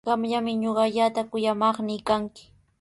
Qamllami ñuqallata kuyamaqnii kanki.